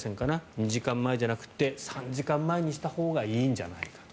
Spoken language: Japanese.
２時間前じゃなくて３時間前にしたほうがいいんじゃないかと。